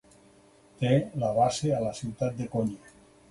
Té la base a la ciutat de Konya.